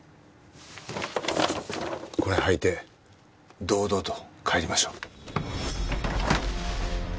これ履いて堂々と帰りましょう。